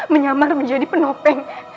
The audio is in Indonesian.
menyamar menjadi penopeng